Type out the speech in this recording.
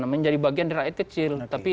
menjadi bagian dari rakyat kecil tapi